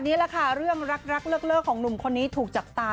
นี่แหละค่ะเรื่องรักเลิกของหนุ่มคนนี้ถูกจับตา